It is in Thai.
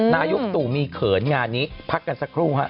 นายกตู่มีเขินงานนี้พักกันสักครู่ฮะ